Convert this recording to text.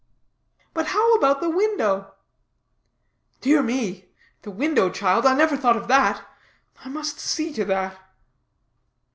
"But how about the window?" "Dear me, the window, child. I never thought of that. I must see to that."